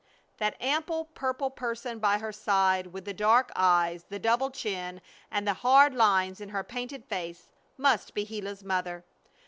That ample purple person by her side, with the dark eyes, the double chin, and the hard lines in her painted face, must be Gila's mother!